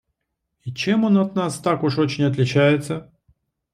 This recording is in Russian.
И чем он от нас так уж очень отличается?